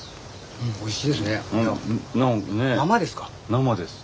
生です。